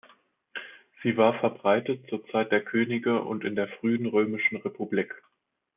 Sie war verbreitet zur Zeit der Könige und in der frühen römischen Republik.